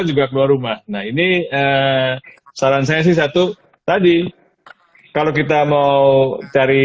orang yang keluar rumah dan kita juga keluar rumah nah ini saran saya satu tadi kalau kita mau cari